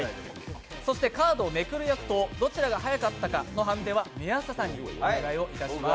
カードをめくる役とどちらが速かったかの判断は宮下さんにしていただきます。